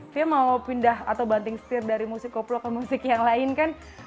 fia mau pindah atau banting setir dari musik koplo ke musik yang lain kan